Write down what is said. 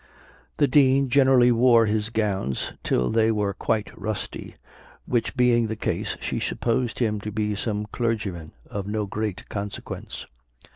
The Dean generally wore his gowns till they were quite rusty, which being the case, she supposed him to be some clergyman of no great consequence.